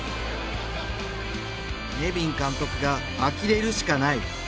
ネビン監督があきれるしかない。